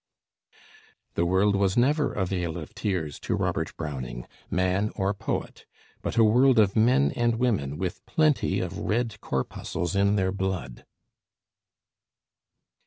The world was never a vale of tears to Robert Browning, man or poet; but a world of men and women, with plenty of red corpuscles in their blood.